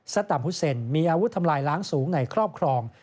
สตาร์ฮุเซนมีอาวุธทำลายล้างสูงในครอบครอง